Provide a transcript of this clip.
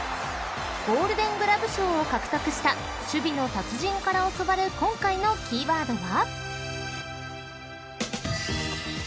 ［ゴールデン・グラブ賞を獲得した守備の達人から教わる今回のキーワードは？］